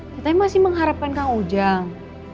kita masih mengharapkan kang ujang